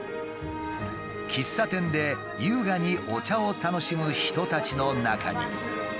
喫茶店で優雅にお茶を楽しむ人たちの中に。